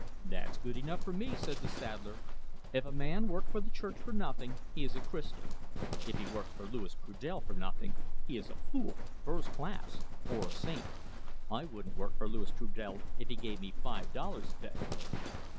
"That's good enough for me," said the saddler. "If a man work for the Church for nothing, he is a Christian. If he work for Louis Trudel for nothing, he is a fool first class or a saint. I wouldn't work for Louis Trudel if he give me five dollars a day."